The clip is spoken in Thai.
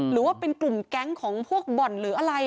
หรือว่าเป็นกลุ่มแก๊งของพวกบ่อนหรืออะไร